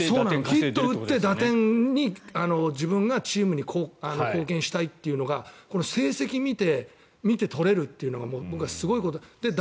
ヒットを打って自分がチームに貢献したいというのが成績を見て取れるというのが僕はすごいことだと。